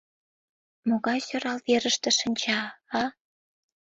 Могай сӧрал верыште шинча, а?